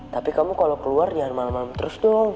tapi kamu kalau keluar jangan malam malam terus dong